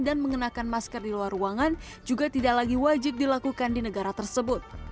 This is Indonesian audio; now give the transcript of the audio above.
dan mengenakan masker di luar ruangan juga tidak lagi wajib dilakukan di negara tersebut